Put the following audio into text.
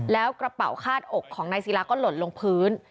แล้วกระเป๋าคาดอกของนายศิลาก็หล่นลงพื้น